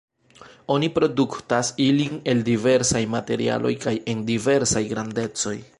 Oni produktas ilin el diversaj materialoj kaj en diversaj grandecoj.